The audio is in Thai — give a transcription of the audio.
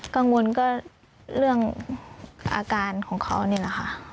กังวลก็เรื่องอาการของเขานี่แหละค่ะ